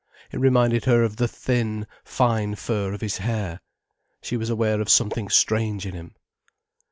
It reminded her of the thin, fine fur of his hair. She was aware of something strange in him.